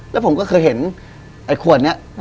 แล้วผมก็เคยเห็นไอ้ขวดนี้